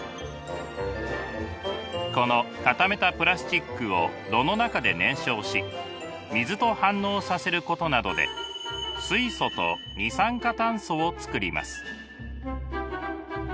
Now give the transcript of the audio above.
この固めたプラスチックを炉の中で燃焼し水と反応させることなどで水素と二酸化炭素を作ります。